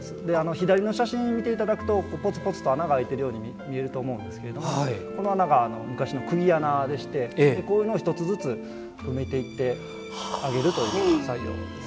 左の写真を見ていただくとぽつぽつと穴があいているように見えるんですけれどもこの穴が昔のくぎ穴でしてこういうのを１つずつ埋めていってあげるという作業です。